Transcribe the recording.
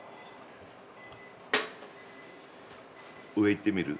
上行ってみる？